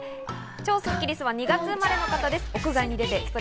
超スッキりすは２月生まれの方です。